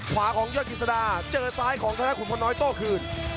ขวาของยอดกิจสดาเจอซ้ายของธนขุนพลน้อยโต้คืน